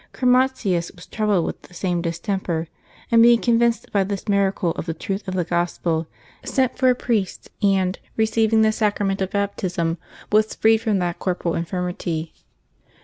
Chromatius was troubled with the same distemper, and being con vinced by this miracle of the truth of the Grospel, sent for a priest, and, receiving the .Sacrament of Baptism, was freed from that corporal infirmity.